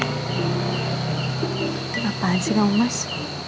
ngapain sih kamu mas